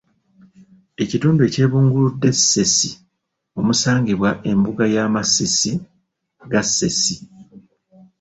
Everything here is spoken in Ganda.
Ekitundu ekyebunguludde ssensi omusangibwa embuga y'amasisi ga ssensi.